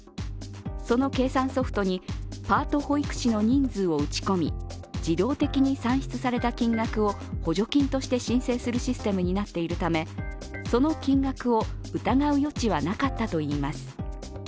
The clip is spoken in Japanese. その計算ソフトにパート保育士の人数を打ち込み自動的に算出された金額を補助金として申請するシステムになっているためその金額を疑う余地はなかったといいます。